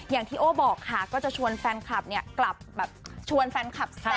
อย่างที่โอ้บอกค่ะก็จะชวนแฟนคลับเนี่ยกลับแบบชวนแฟนคลับแฟน